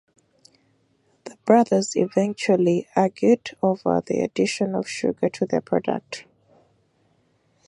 The brothers eventually argued over the addition of sugar to their product.